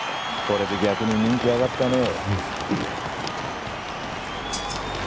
これで逆に人気上がったね。